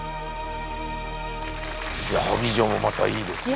いや萩城もまたいいですね。